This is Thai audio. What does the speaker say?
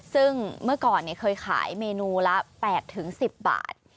ซึ่งเมื่อก่อนเคยขายเมนูละ๘๑๐บาท